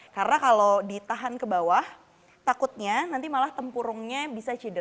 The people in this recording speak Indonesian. karena kalau ditahan ke bawah takutnya nanti malah tempurungnya bisa jatuh dan jatuh lagi